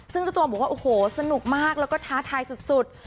ซึ่งเจ้าตัวบอกว่าโอ้โหสนุกมากแล้วก็ท้าทายสุด